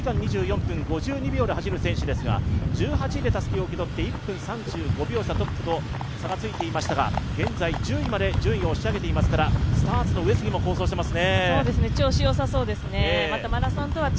スターツの上杉、マラソンで走る選手ですが１８位でたすきを受け取って１分３５秒差、トップと差がついていましたが、現在、１０位まで順位を押し上げていますからスターツの上杉も好走していますね。